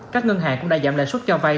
các ngân hàng cũng đã giảm lãi suất cho vay